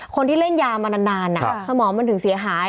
คนที่เล่นยามานานสมองมันถึงเสียหาย